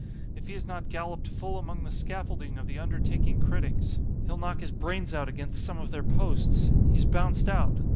——if he has not galloped full among the scaffolding of the undertaking criticks!——he'll knock his brains out against some of their posts—he's bounced out!